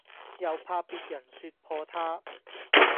又怕別人説破他，